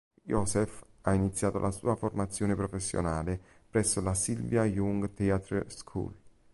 Joseph ha iniziato la sua formazione professionale presso la Sylvia Young Theatre School.